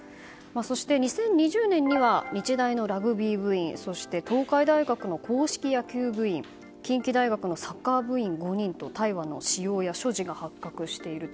そして、２０２０年には日大のラグビー部員そして東海大学の硬式野球部員近畿大学のサッカー部員５人と大麻の使用や所持が発覚していると。